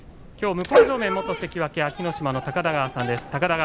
向正面、元関脇安芸乃島の高田川さんです。